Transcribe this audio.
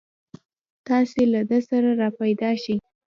تاسې له ده سره راپیدا شئ.